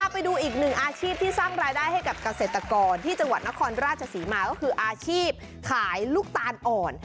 ไปดูอีกหนึ่งอาชีพที่สร้างรายได้ให้กับเกษตรกรที่จังหวัดนครราชศรีมาก็คืออาชีพขายลูกตาลอ่อน